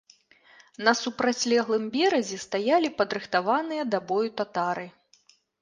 На супрацьлеглым беразе стаялі падрыхтаваныя да бою татары.